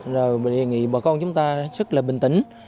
rồi mình đề nghị bà con chúng ta rất là bình tĩnh